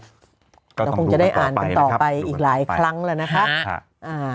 เราคงจะได้อ่านกันต่อไปอีกหลายครั้งแล้วนะคะ